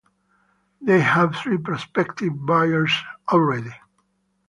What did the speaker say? They have three prospective buyers already.